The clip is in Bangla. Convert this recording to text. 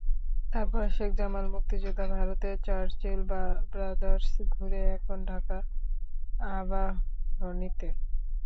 তারপর শেখ জামাল, মুক্তিযোদ্ধা, ভারতের চার্চিল ব্রাদার্স ঘুরে এখন ঢাকা আবাহনীতে।